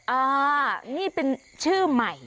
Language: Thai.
อ่านี่เป็นชื่อใหม่